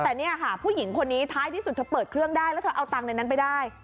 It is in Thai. แต่เนี่ยค่ะผู้หญิงคนนี้ท้ายที่สุดเธอเปิดเครื่องได้แล้วเธอเอาตังค์ในนั้นไปได้